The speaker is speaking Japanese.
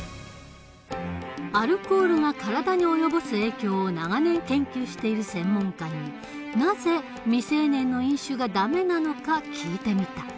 アルコールが体に及ぼす影響を長年研究している専門家になぜ未成年の飲酒がダメなのか聞いてみた。